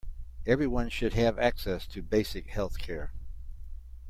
Everyone should have access to basic health-care.